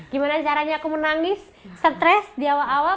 gimana caranya aku menangis stres di awal awal